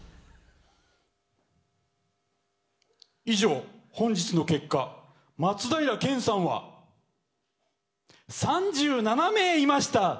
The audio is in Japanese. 以上、本日の結果松平健さんは３７名いました。